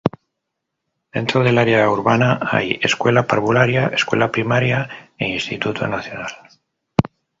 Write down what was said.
Dentro del área urbana hay: Escuela Parvularia, Escuela Primaria, e Instituto Nacional.